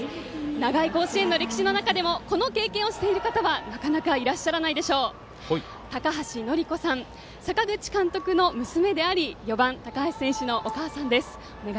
長い甲子園の歴史の中でもこの経験をしている方はなかなかいらっしゃらないでしょう。阪口のりこさん阪口監督の娘であり、４番高橋選手のお母さんです。